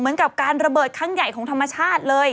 เหมือนกับการระเบิดครั้งใหญ่ของธรรมชาติเลย